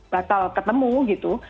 batal ketemu gitu